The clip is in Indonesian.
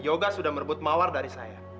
yoga sudah merebut mawar dari saya